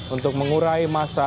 untuk mengurai masa